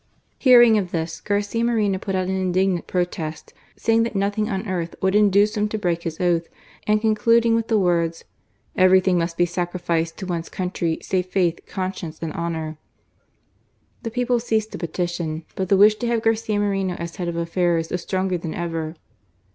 Hearing of this, Garcia Mor^io put but an indignant protest, saying that nothing cm earth would induce him to b^eak his oath, and ccmcluding with the words :'' Ev^ry^ thing must be sacrificed to one's country save ^sLitht conscience, and honour. The people ceased to petition : but the wish to have Garcia Moreno as head of affairs was stronger than ever.